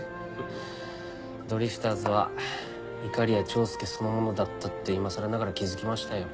ドリフターズはいかりや長介そのものだったっていまさらながら気付きましたよ。